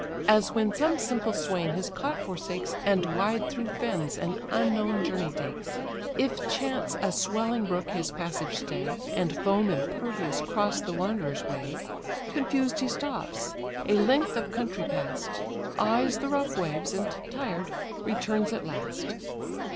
As when some simple swain his cot forsakes, And wide through fens an unknown journey takes: If chance a swelling brook his passage stay, And foam impervious 'cross the wanderer's way, Confused he stops, a length of country pass'd, Eyes the rough waves, and tired, returns at last.